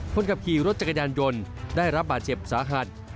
คนขับขี่รถจักรยานยนต์ได้รับบาดเจ็บสาหัส